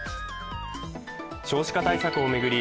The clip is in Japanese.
少子化対策を巡り